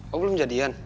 oh belum jadian